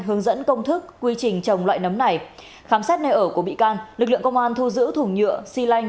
hướng dẫn công thức quy trình trồng loại nấm này khám xét nơi ở của bị can lực lượng công an thu giữ thủng nhựa xy lanh